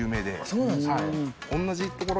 そうなんですか。